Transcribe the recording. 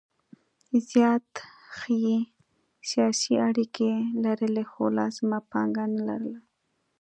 زیات ښې سیاسي اړیکې لرلې خو لازمه پانګه نه لرله.